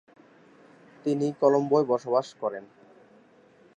তিনি কলম্বোয় বসবাস করেন।